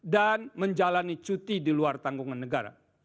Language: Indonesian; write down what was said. dan menjalani cuti di luar tanggungan negara